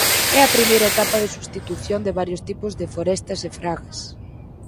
É a primeira etapa de substitución de varios tipos de forestas e fragas.